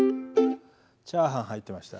チャーハン入ってました。